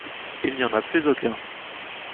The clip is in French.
Il n’y en a plus aucun.